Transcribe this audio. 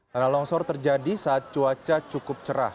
tanah longsor terjadi saat cuaca cukup cerah